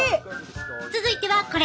続いてはこれ！